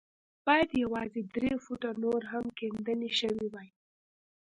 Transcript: بايد يوازې درې فوټه نور هم کيندنې شوې وای.